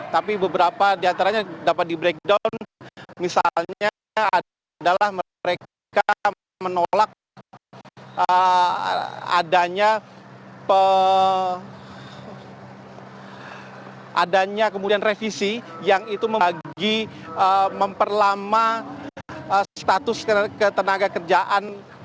tapi beberapa diantaranya dapat di breakdown misalnya adalah mereka menolak adanya kemudian revisi yang itu membagi memperlama status ketenaga kerjaan